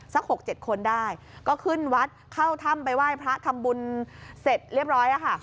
๖๗คนได้ก็ขึ้นวัดเข้าถ้ำไปไหว้พระทำบุญเสร็จเรียบร้อยค่ะ